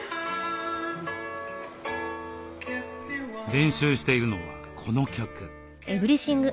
練習しているのはこの曲。